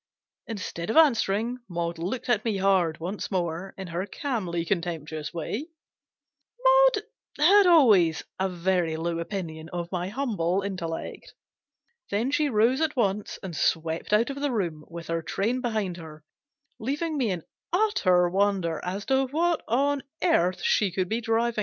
Instead of answering, Maud looked at me hard once more, in her calmly contemptuous way Maud had always a very low opinion of my humble intellect. Then she rose at once, and swept out of the room, with her train behind her, leaving me in utter wonder as to what on earth she could be driving at.